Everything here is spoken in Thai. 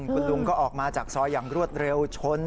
คุณลุงก็ออกมาจากซอยอย่างรวดเร็วชน